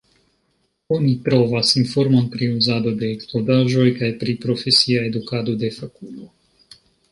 Oni trovas informon pri uzado de eksplodaĵoj kaj pri profesia edukado de fakulo.